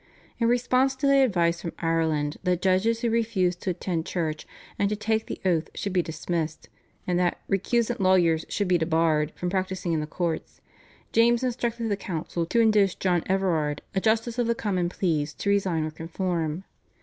In response to the advice from Ireland that judges who refused to attend church and to take the oath should be dismissed, and that "recusant" lawyers should be debarred from practising in the courts, James instructed the council to induce John Everard, a Justice of the Common Pleas, to resign or conform.